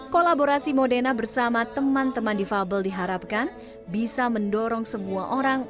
kolaborasi modena bersama teman teman difabel diharapkan bisa mendorong semua orang